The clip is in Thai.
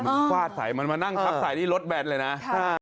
มันฝาดสายมันมานั่งทับสายนี่รถแบนเลยน่ะค่ะ